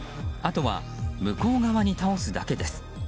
あとは向こう側に倒すだけです。